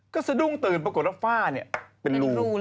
ก็สะดุ้งตื่นปรากฏว่าฝ้าเนี่ยเป็นรู